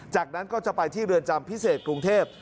จากนั้นก็จะไปที่เรือนจำพิเศษกรุงเทพ